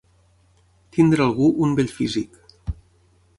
Tenir algú un bell físic.